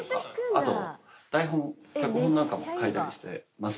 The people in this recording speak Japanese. あと台本脚本なんかも書いたりしてます。